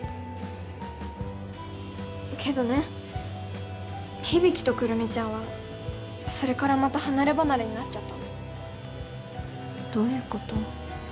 けどね響と来美ちゃんはそれからまた離れ離れになっちゃったの。どういうこと？